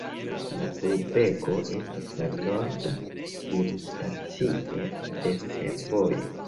La urbego estas la norda finstacio de fervojo.